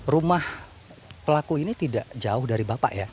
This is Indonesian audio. rumah pelaku ini tidak jauh dari bapak ya